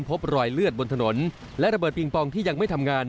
พบรอยเลือดบนถนนและระเบิดปิงปองที่ยังไม่ทำงาน